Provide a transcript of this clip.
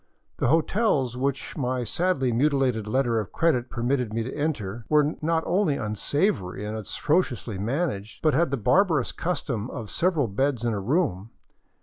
The hotels which my sadly mutilated letter of credit permitted me to enter were not only unsavory and atrociously managed, but had the barbarous custom of several beds in a room.